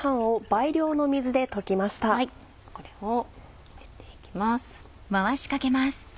これを入れていきます。